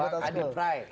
pak adi fry